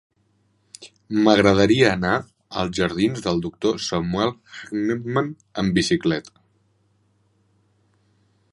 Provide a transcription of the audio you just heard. M'agradaria anar als jardins del Doctor Samuel Hahnemann amb bicicleta.